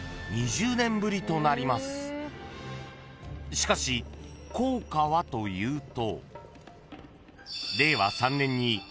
［しかし硬貨はというと］